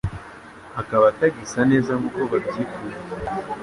akaba atagisa neza nk'uko babyifuza.